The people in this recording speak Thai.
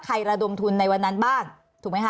ระดมทุนในวันนั้นบ้างถูกไหมคะ